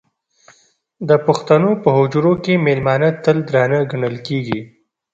د پښتنو په حجرو کې مېلمانه تل درانه ګڼل کېږي.